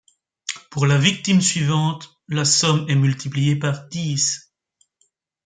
Pour la victime suivante, la somme est multiplié par dix.